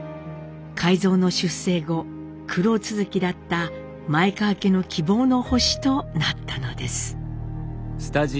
海蔵の出征後苦労続きだった前川家の希望の星となったのです。